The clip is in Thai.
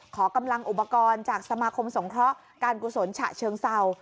ขอกำลังอุปกรณ์จากสมาคมสงเคราะห์การกุศลฉะเชิงเศร้า